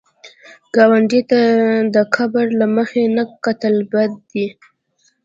ګاونډي ته د کبر له مخې نه کتل بد دي